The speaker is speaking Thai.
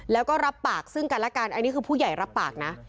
แล้วก็รับปากซึ่งกันแล้วกันอันนี้คือผู้ใหญ่รับปากนะ